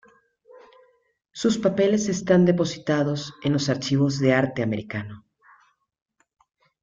Sus papeles están depositados en los Archivos de Arte Americano.